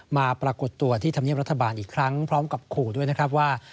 ปรากฏตัวที่ธรรมเนียบรัฐบาลอีกครั้งพร้อมกับขู่ด้วยนะครับว่า